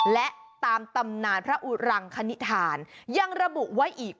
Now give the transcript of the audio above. และตามตำนานพระอุรังคณิธานยังระบุไว้อีก